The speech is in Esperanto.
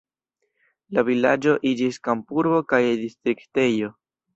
La vilaĝo iĝis kampurbo kaj distriktejo.